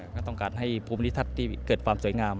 ก็ต้องการให้ภูมิทัศน์ที่เกิดความสวยงาม